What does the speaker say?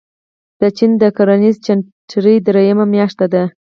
د چين د کرنیزې جنترې درېیمه میاشت ده.